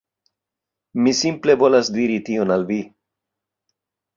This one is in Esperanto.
Mi simple volas diri tion al vi.